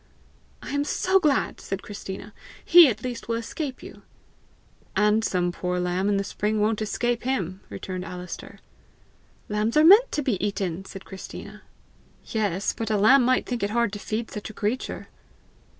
"I am so glad!" said Christina. "He at least will escape you!" "And some poor lamb in the spring won't escape him!" returned Alister. "Lambs are meant to be eaten!" said Christina. "Yes; but a lamb might think it hard to feed such a creature!"